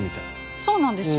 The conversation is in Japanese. そうなんですよ。